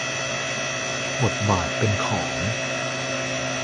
บทบาทเป็นของ